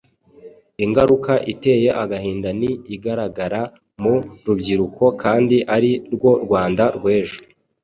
Ingaruka iteye agahinda ni igaragara mu rubyiruko kandi ari rwo Rwanda rw’ejo.